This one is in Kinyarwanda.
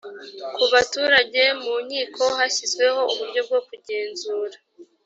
ku baturage mu nkiko hashyizweho uburyo bwo kugenzura